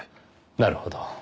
なるほど。